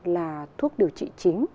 là thuốc điều trị chính